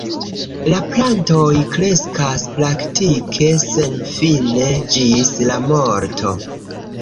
La plantoj kreskas praktike senfine, ĝis la morto.